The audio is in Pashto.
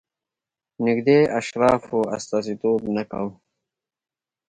نږدې اشرافو استازیتوب نه کاوه.